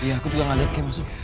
iya aku juga gak liat kee masuk